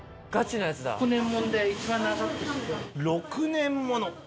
６年もの！